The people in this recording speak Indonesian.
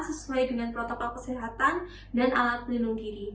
sesuai dengan protokol kesehatan dan alat pelindung diri